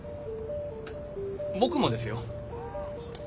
僕もですよ。